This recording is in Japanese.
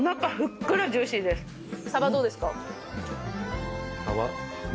サバどうですか？